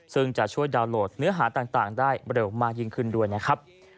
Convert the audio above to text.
ซึ่งจะช่วยดาวนโหลดเนื้อหาต่างได้เร็วมากยิ่งขึ้นด้วยนะครับ